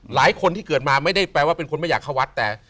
หลายคนที่เกิดมาไม่ได้แปลว่าเป็นคนไม่อยากเข้าวัดแต่